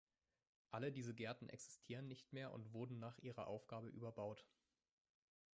Alle diese Gärten existieren nicht mehr und wurden nach ihrer Aufgabe überbaut.